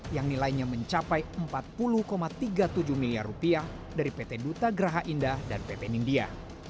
yang nilainya mencapai rp empat puluh tiga puluh tujuh miliar rupiah dari pt duta geraha indah dan pt nindya